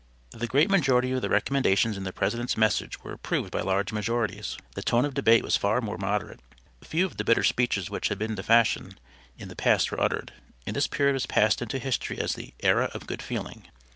The great majority of the recommendations in the President's message were approved by large majorities. The tone of debate was far more moderate; few of the bitter speeches which had been the fashion in the past were uttered, and this period has passed into history as the "Era of good feeling."